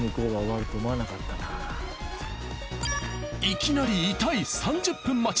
いきなり痛い３０分待ち。